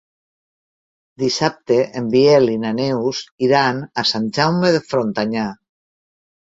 Dissabte en Biel i na Neus iran a Sant Jaume de Frontanyà.